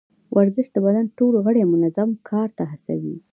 ورزش د بدن ټول غړي منظم کار ته هڅوي.